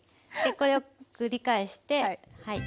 これを繰り返してはい。